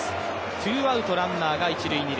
ツーアウトランナーが一・二塁。